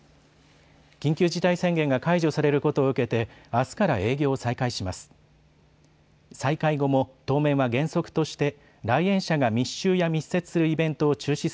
緊急事態宣言が解除されることを受けてあすから営業を再開します。